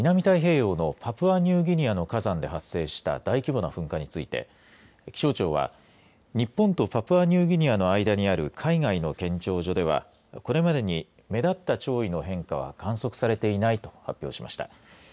太平洋のパプアニューギニアの火山で発生した大規模な噴火について気象庁は日本とパプアニューギニアの間にある海外の検潮所ではこれまでに目立った潮位の変化は観測されていないと発表しました。